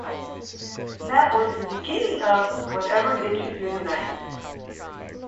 That was the beginning of 'Whatever Gets You Thru the Night'.